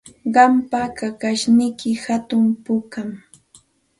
Qampa kakashniyki hatun pukami.